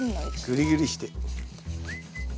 グリグリして。